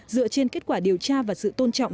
dựa trên kết quả điều tra và sự tôn trọng